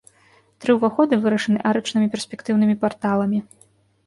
Тры ўваходы вырашаны арачнымі перспектыўнымі парталамі.